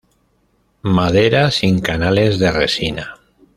Madera sin canales de resina.